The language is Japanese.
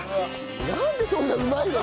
なんでそんなうまいの？